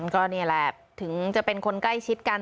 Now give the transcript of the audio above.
ก็นี่แหละถึงจะเป็นคนใกล้ชิดกัน